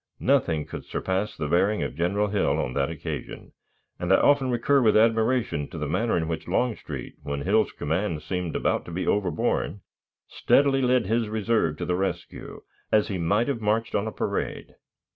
Nothing could surpass the bearing of General Hill on that occasion, and I often recur with admiration to the manner in which Longstreet, when Hill's command seemed about to be overborne, steadily led his reserve to the rescue, as he might have marched on a parade.